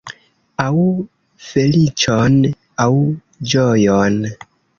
Aŭ feliĉon, aŭ ĝojon.